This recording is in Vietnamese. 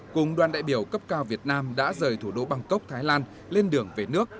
cùng đoàn đại biểu cấp cao việt nam đã rời thủ đô bangkok thái lan lên đường về nước